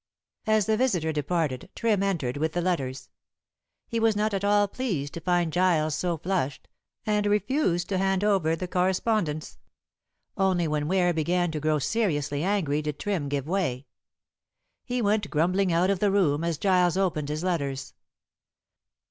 As the visitor departed Trim entered with the letters. He was not at all pleased to find Giles so flushed, and refused to hand over the correspondence. Only when Ware began to grow seriously angry did Trim give way. He went grumbling out of the room as Giles opened his letters.